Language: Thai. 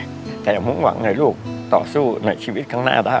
แต่อย่ามุ่งหวังให้ลูกต่อสู้ในชีวิตข้างหน้าได้